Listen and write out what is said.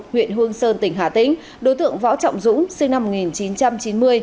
huyện hương sơn tỉnh hà tĩnh đối tượng võ trọng dũng sinh năm một nghìn chín trăm chín mươi